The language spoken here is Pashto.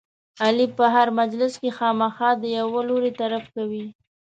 علي په هره مجلس کې خامخا د یوه لوري طرف کوي.